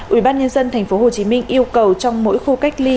ubnd tp hcm yêu cầu trong mỗi khu cách ly